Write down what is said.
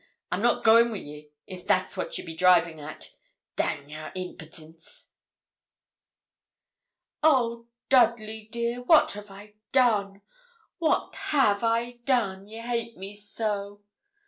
I'm not goin' wi' ye, if that's what ye be drivin' at dang your impitins!' 'Oh! Dudley, dear, what have I done what have I done ye hate me so?'